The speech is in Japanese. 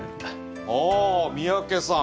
ああ三宅さん